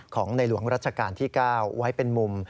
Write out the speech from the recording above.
ของในหลวงรัชกาลที่๙ไว้เป็นมุม